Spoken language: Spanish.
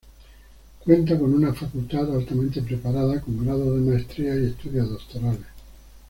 Cuenta con una facultad altamente preparada, con grados de maestría y estudios doctorales.